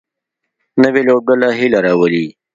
نوې لوبډله هیله راولي